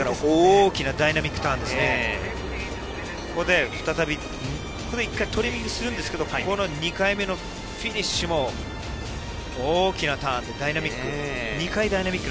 ここで再び１回トリミングするんですけど、２回目のフィニッシュも大きなターンでダイナミック。